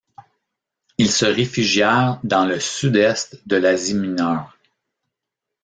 Ils se réfugièrent dans le sud-est de l'Asie Mineure.